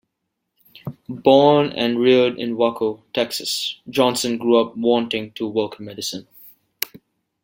Born and reared in Waco, Texas, Johnson grew up wanting to work in medicine.